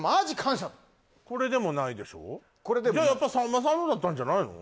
じゃやっぱさんまさんのだったんじゃないの？